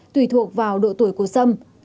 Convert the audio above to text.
tùy thuộc vào độ tuổi của sâm